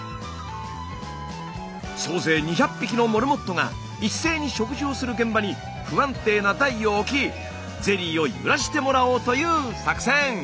総勢２００匹のモルモットが一斉に食事をする現場に不安定な台を置きゼリーを揺らしてもらおうという作戦！